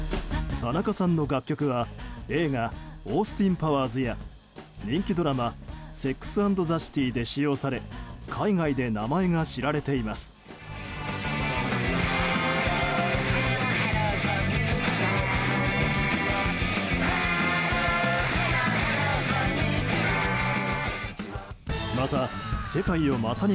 田中さんの楽曲は映画「オースティン・パワーズ」や人気ドラマ「セックス・アンド・ザ・シティ」で使用され海外で名前が知られています。